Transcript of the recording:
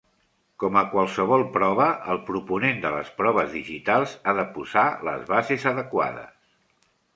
Com amb qualsevol prova, el proponent de les proves digitals ha de posar les bases adequades.